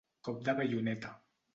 Cop de baioneta.